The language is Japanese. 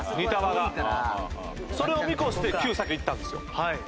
それを見越して９先にいったんですよ。